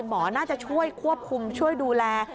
หมอน่าจะช่วยควบคุมช่วยดูแล